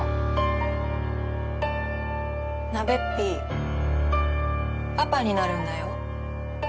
なべっぴパパになるんだよ。